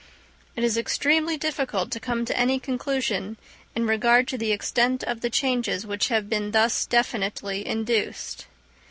It is extremely difficult to come to any conclusion in regard to the extent of the changes which have been thus definitely induced.